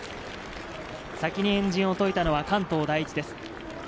先に円陣を解いたのは関東第一です。